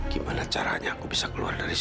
gimana caranya aku bisa keluar dari sini